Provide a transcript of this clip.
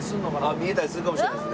見えたりするかもしれないですね。